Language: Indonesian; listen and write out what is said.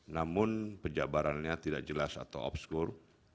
namun penjabarannya tidak jelas atau obskur